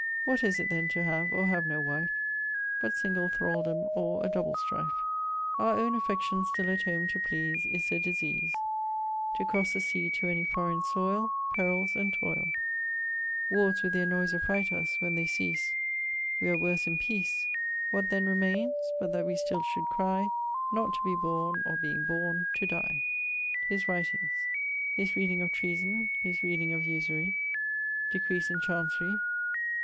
What is it then to have, or have no wife, But single thraldome or a double strife? Our owne affections still at home to please Is a disease; To crosse the sea to any foreine soyle, Perills and toyle; Warres with their noise affright us; when they cease W'are worse in peace. What then remaines? but that we still should cry Not to be borne, or, being borne, to dye. <_His writings._> His reading of Treason. His reading of Usurie. Decrees in Chancery.